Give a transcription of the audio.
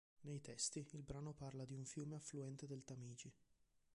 Nei testi, il brano parla di un fiume affluente del Tamigi.